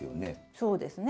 そうですね。